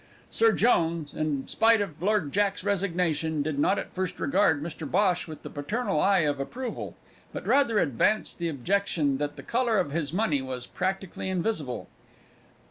Sir Jones, in spite of Lord Jack's resignation, did not at first regard Mr Bhosh with the paternal eye of approval, but rather advanced the objection that the colour of his money was practically invisible.